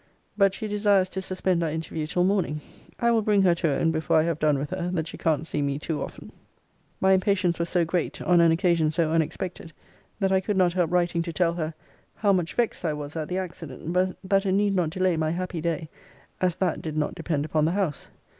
But she desires to suspend our interview till morning. I will bring her to own, before I have done with her, that she can't see me too often. My impatience was so great, on an occasion so unexpected, that I could not help writing to tell her, 'how much vexed I was at the accident: but that it need not delay my happy day, as that did not depend upon the house.